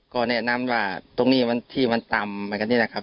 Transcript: ก็แนะนำว่าตรงนี้มันที่มันต่ำกันเนี่ยนะครับ